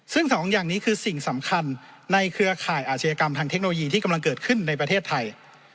ซึ่งสองอย่างนี้คือสิ่งสำคัญในเครือข่ายอาชญากรรมทางเทคโนโลยีที่กำลังเกิดขึ้นในประเทศไทย